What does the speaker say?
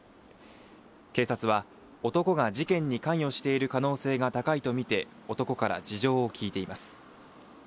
警察は男が事件に関与している可能性が高いと見て男から事情を聞いています